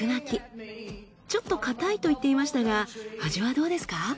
ちょっと硬いと言っていましたが味はどうですか？